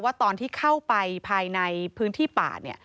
ว่าตอนที่เข้าไปภายในพื้นที่ป่า